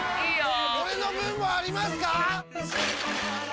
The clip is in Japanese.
俺の分もありますか！？